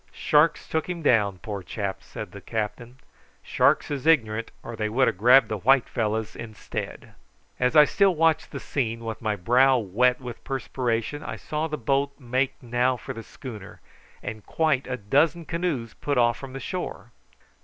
"Sharks took him down, poor chap," said the captain. "Sharks is ignorant, or they would have grabbed the white fellows instead." As I still watched the scene, with my brow wet with perspiration, I saw the boat make now for the schooner, and quite a dozen canoes put off from the shore.